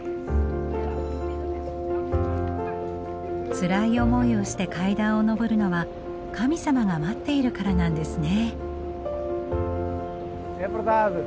つらい思いをして階段を上るのは神様が待っているからなんですね。